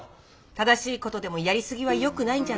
⁉正しいことでもやりすぎはよくないんじゃない？